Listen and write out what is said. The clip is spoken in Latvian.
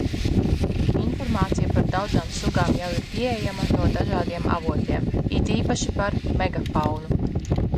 Informācija par daudzām sugām jau ir pieejama no dažādiem avotiem, it īpaši par megafaunu.